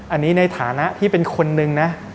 อันนี้ในฐานะที่เป็นคนนึงนะ